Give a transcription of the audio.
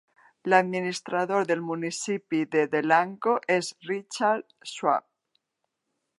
L'administrador del municipi de Delanco és Richard Schwab.